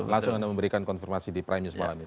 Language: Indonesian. langsung anda memberikan konfirmasi di prime news malam ini